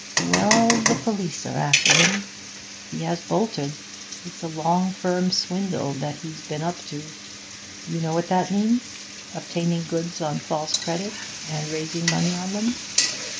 'Well, the police are after him; he has bolted. It's a long firm swindle that he's been up to. You know what that means? Obtaining goods on false credit, and raising money on them.